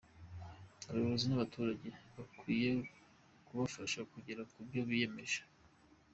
Abayobozi n’abaturage bakwiye kubafasha kugera ku byo biyemeje.